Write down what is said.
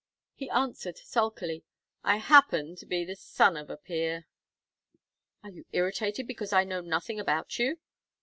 He answered, sulkily: "I happen to be the son of a peer." "Are you irritated because I know nothing about you?"